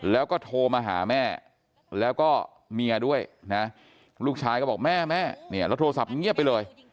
แล้วก็โทรมาหาแม่แล้วก็เมียด้วยนะลูกชายก็บอกแม่แม่เนี่ยแล้วโทรศัพท์เงียบไปเลย